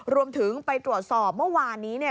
รวมถึงไปตรวจสอบเมื่อวานนี้เนี่ย